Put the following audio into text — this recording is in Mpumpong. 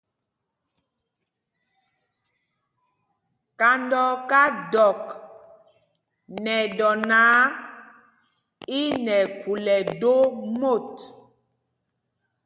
Kándɔɔká dɔk nɛ dɔ náǎ, í nɛ khūl ɛdó mot.